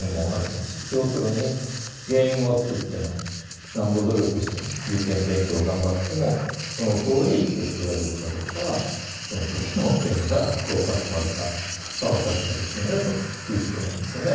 要するに原因を作ってもなんぼ努力しても受験勉強を頑張ってもそのとおり結果が出るかどうかはその時の縁がどう集まるか合わさるかですよねということなんですよね。